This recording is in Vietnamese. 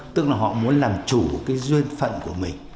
tức là họ muốn làm chủ cái duyên phận của mình